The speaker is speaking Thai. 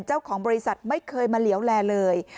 เจ้าของบริษัทไม่เคยมาเหลวแลเลย